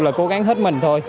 là cố gắng hết mình thôi